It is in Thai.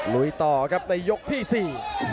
ลุยต่อครับในยกที่สี่